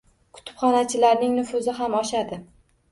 Kutubxonachilarining nufuzi ham oshadi.